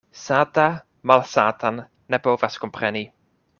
Sata malsatan ne povas kompreni.